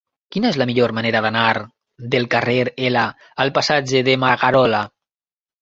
Quina és la millor manera d'anar del carrer L al passatge de Magarola?